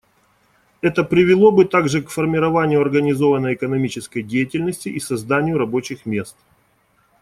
Это привело бы также к формированию организованной экономической деятельности и созданию рабочих мест.